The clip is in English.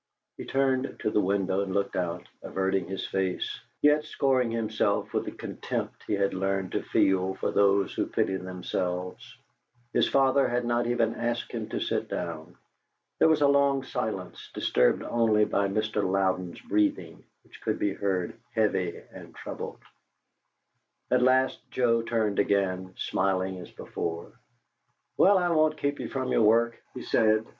He turned to the window and looked out, averting his face, yet scoring himself with the contempt he had learned to feel for those who pity themselves. His father had not even asked him to sit down. There was a long silence, disturbed only by Mr. Louden's breathing, which could be heard, heavy and troubled. At last Joe turned again, smiling as before. "Well, I won't keep you from your work," he said.